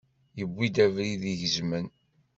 Yewwi abrid igezmen.